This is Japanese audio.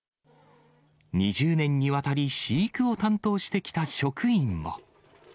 ２０年にわたり飼育を担当してきた職員も。